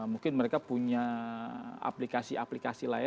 mungkin mereka punya aplikasi aplikasi lain